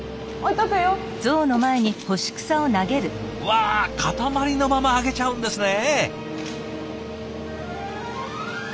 わあ塊のままあげちゃうんですね。